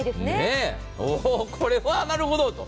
おお、これはなるほどと。